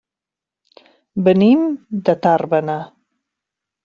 Venim de Tàrbena.